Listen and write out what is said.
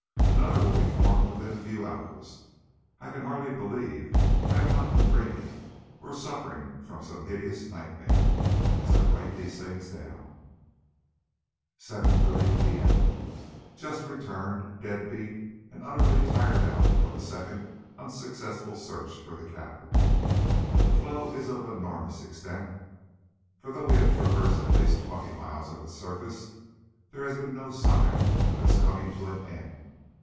Another will be formed within a few hours. I can hardly believe I have not been dreaming, or suffering from some hideous nightmare, as I write these things down. 7.30 P.M. Just returned dead beat and utterly tired out from a second unsuccessful search for the Captain. The floe is of enormous extent, for though we have traversed at least twenty miles of its surface, there has been no sign of its coming to an end.